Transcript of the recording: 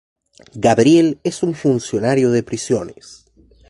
Gabriel es un funcionario de prisiones.